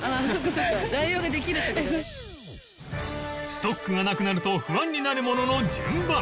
ストックがなくなると不安になるものの順番